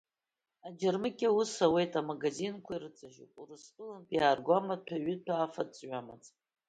Аџьырмыкьа аус ауеит, амагазинқәа ирыҵажьуп Урыстәылантәи иаарго амаҭәа ҩыҭәа, афатә ҵҩа змам.